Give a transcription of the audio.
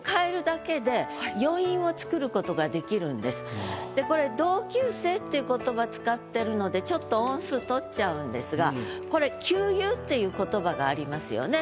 これねでこれ「同級生」っていう言葉使ってるのでちょっと音数取っちゃうんですがこれ「級友」っていう言葉がありますよね。